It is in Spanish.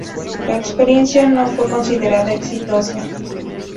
La experiencia no fue considerada exitosa.